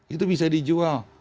itu bisa dijual